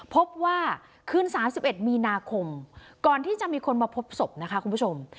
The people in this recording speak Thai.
พบว่าคืน๓๑มีนาคมก่อนที่จะมีคนมาพบศพนะคะคุณผู้ชม